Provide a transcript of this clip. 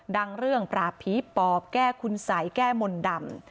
เรื่องปราบผีปอบแก้คุณสัยแก้มนต์ดำ